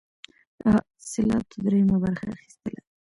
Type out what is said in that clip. د حاصلاتو دریمه برخه اخیستله.